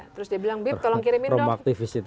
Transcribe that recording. terus dia bilang bip tolong kirimin dong